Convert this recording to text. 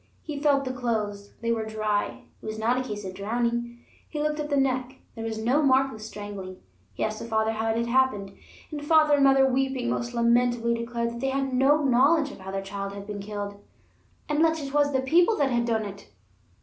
He felt the clothes; they were dry; it was not a case of drowning. He looked at the neck; there was no mark of strangling. He asked the father how it had happened, and father and mother, weeping most lamentably, declared they had no knowledge of how their child had been killed: "unless it was the People that had done it."